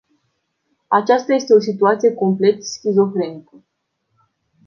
Aceasta este o situație complet schizofrenică.